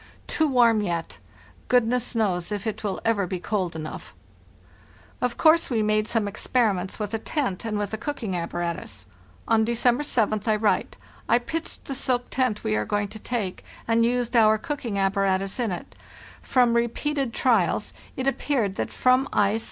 Too warm yet; goodness knows if it ever will be cold enough." Of course, we made some experiments with the tent WEY PREPARE FOR THE SLEDGE EXPEDITION 15 and with the cooking apparatus. On December 7th I write: "I pitched the silk tent we are going to take, and used our cooking apparatus in it. From repeated trials it appeared that from icé.